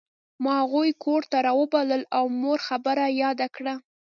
ما هغوی کور ته راوبلل او مور خبره یاده کړه